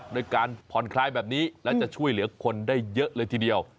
ในการผ่อนคลายแบบนี้และจะช่วยเหลือคนได้เยอะเลยทีเดียว